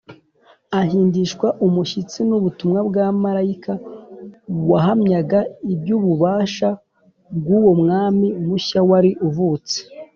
. Ahindishwa umushyitsi n’ubutumwa bwa Marayika wahamyaga iby’ububasha bw’uwo Mwami mushya wari uvutse